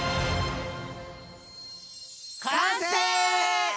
完成！